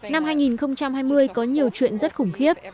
năm hai nghìn hai mươi có nhiều chuyện rất khủng khiếp